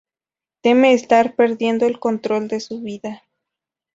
Teme estar perdiendo el control de su vida.